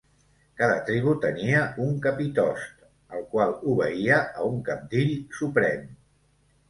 Cada tribu tenia un capitost, el qual obeïa a un cabdill suprem.